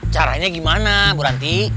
caranya gimana bu ranti